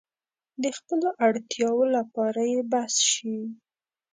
د خپلو اړتیاوو لپاره يې بس شي.